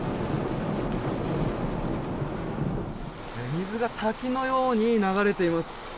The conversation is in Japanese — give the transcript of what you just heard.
水が滝のように流れています。